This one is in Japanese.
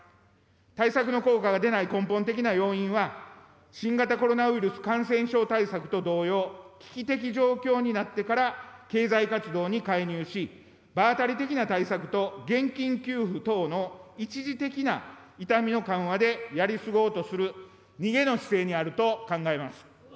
対策の効果が出ない根本的な要因は、新型コロナウイルス感染症対策と同様、危機的状況になってから経済活動に介入し、場当たり的な対策と現金給付等の一時的な痛みの緩和でやり過ごそうとする逃げの姿勢にあると考えます。